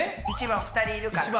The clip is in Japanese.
１番２人いるから。